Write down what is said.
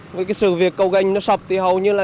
với cái sự việc cầu gành nó sập thì hầu như là